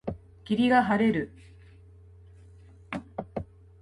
霧が晴れる。